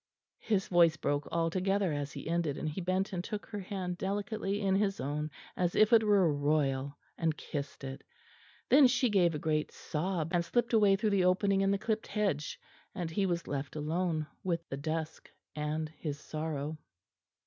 His voice broke altogether as he ended, and he bent and took her hand delicately in his own, as if it were royal, and kissed it. Then she gave a great sob and slipped away through the opening in the clipped hedge; and he was left alone with the dusk and his sorrow.